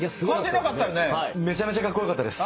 めちゃめちゃカッコ良かったです。